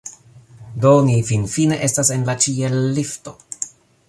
Do ni finfine estas en la ĉiel-lifto